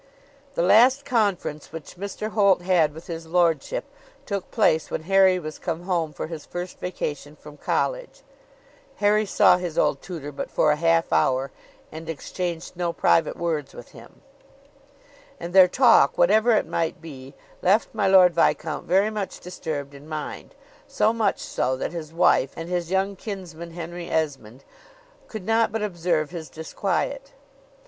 The last conference which Mr. Holt had with his lordship took place when Harry was come home for his first vacation from college (Harry saw his old tutor but for a half hour, and exchanged no private words with him), and their talk, whatever it might be, left my Lord Viscount very much disturbed in mind so much so, that his wife, and his young kinsman, Henry Esmond, could not but observe his disquiet.